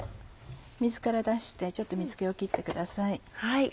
水から出してちょっと水気を切ってください。